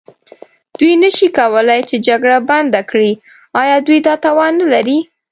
دوی نه شي کولای چې جګړه بنده کړي، ایا دوی دا توان نه لري؟